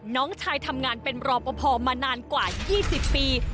น้องชายทำงานเป็นรอปภมานานกว่า๒๐ปี